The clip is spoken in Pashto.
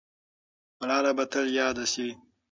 ملاله به تل یاده سي.